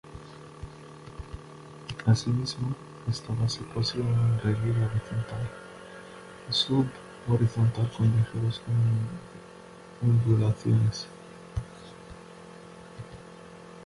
Asimismo, esta base posee un relieve horizontal a sub-horizontal con ligeras ondulaciones.